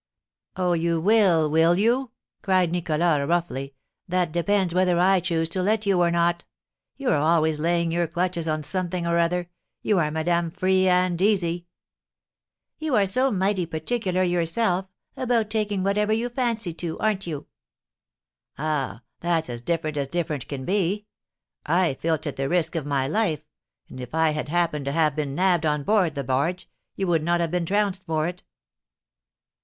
"Oh, you will, will you?" cried Nicholas, roughly; "that depends whether I choose to let you or not. You are always laying your clutches on something or other; you are Madame Free and Easy!" "You are so mighty particular yourself about taking whatever you have a fancy to, arn't you?" "Ah, that's as different as different can be! I filch at the risk of my life; and if I had happened to have been nabbed on board the barge, you would not have been trounced for it."